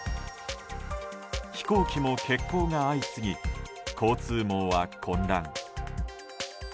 飛行機も欠航が相次ぎ交通網は混乱。